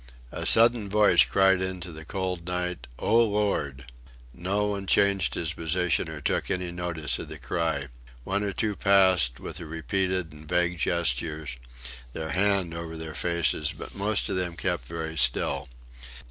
A sudden voice cried into the cold night, "O Lord!" No one changed his position or took any notice of the cry. One or two passed, with a repeated and vague gesture, their hand over their faces, but most of them kept very still.